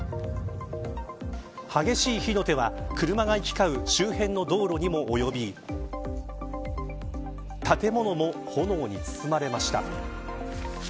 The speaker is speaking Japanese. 激しい火の手は車が行き交う周辺の道路にも及び建物も炎に包まれました。